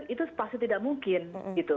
itu pasti tidak mungkin gitu